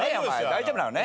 大丈夫なのね？